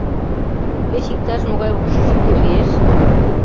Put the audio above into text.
— Кеч иктаж-могай общежитий лиеш?